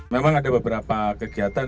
memang ada beberapa kegiatan